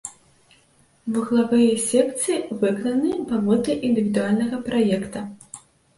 Вуглавыя секцыі выкананы паводле індывідуальнага праекта.